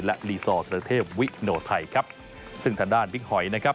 และลีซอร์เทรเทพวิโนไทยครับซึ่งทางด้านบิ๊กหอยนะครับ